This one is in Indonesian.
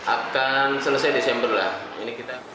akan selesai desember lah